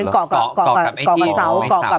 เหลือเกาะกับหอยเกาะ